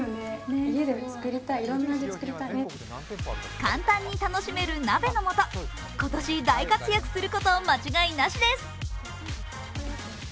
簡単に楽しめる鍋のもと、今年大活躍すること間違いなしです。